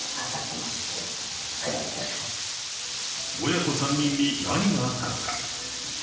親子３人に何があったのか。